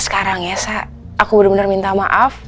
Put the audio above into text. sekarang ya sa aku bener bener minta maaf